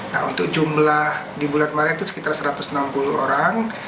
nah untuk jumlah di bulan maret itu sekitar satu ratus enam puluh orang